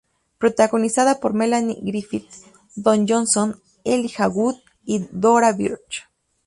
Protagonizada por Melanie Griffith, Don Johnson, Elijah Wood y Thora Birch.